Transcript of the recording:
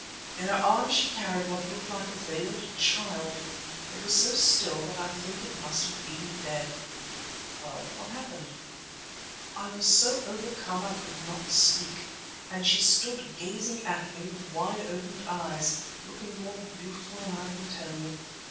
In her arms she carried what looked like a veiled child. It was so still that I think it must have been dead." "Well. What happened?" "I was so overcome I could not speak, and she stood gazing at me with wide opened eyes, looking more beautiful than I can tell you.